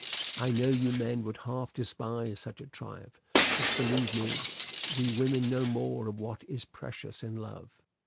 I know you men would half despise such a triumph; but believe me, we women know more of what is precious in love.